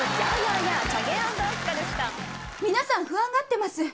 「皆さん不安がってます。